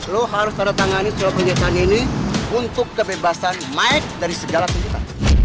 lo harus tanda tangan seluruh penyaksanya ini untuk kebebasan mike dari segala sikap kita